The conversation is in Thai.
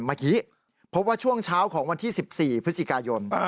เมื่อกี้พบว่าช่วงเช้าของวันที่๑๔พฤศจิกายน